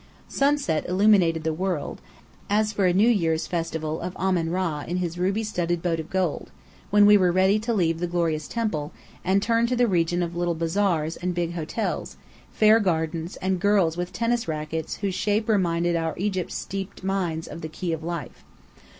Sunset illumined the world, as for a New Year's festival of Amen Rã in his ruby studded boat of gold, when we were ready to leave the glorious temple, and turn to the region of little bazaars and big hotels, fair gardens, and girls with tennis rackets whose shape reminded our Egypt steeped minds of the key of life.